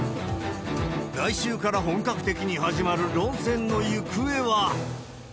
来週から本格的に始まる論戦の行方は。